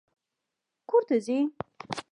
کور ته ځې؟